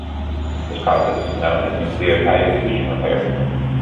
This process is known as nucleotide excision repair.